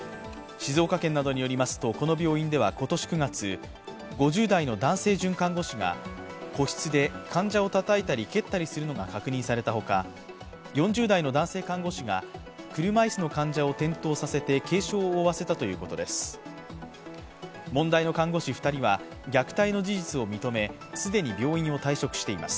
静岡県などによりますと、この病院では今年９月５０代の男性准看護師が個室で患者をたたいたり蹴ったりするのが確認されたほか４０代の男性看護師が車椅子の患者を転倒させて軽傷を負わせたということです。